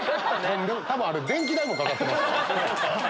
多分あれ電気代もかかってます。